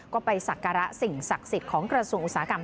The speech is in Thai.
ก็ไปสักการะสิ่งศักดิ์สิทธิ์ของกระทรวงอุตสาหกรรม